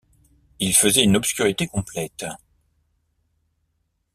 Il faisait une obscurité complète.